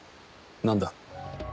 何だ？